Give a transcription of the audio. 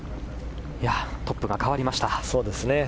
トップが変わりました。